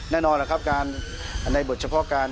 แน่นอนล่ะครับการในบทเฉพาะการ